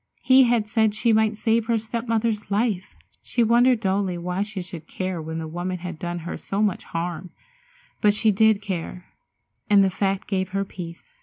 He had said she might save her step mother's life. She wondered dully why she should care when the woman had done her so much harm, but she did care, and the fact gave her peace.